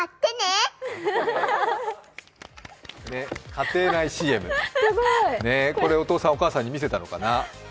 家庭内ＣＭ、これお父さんお母さんに見せたのかな？